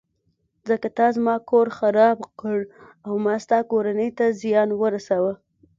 ځکه تا زما کور خراب کړ او ما ستا کورنۍ ته زیان ورساوه.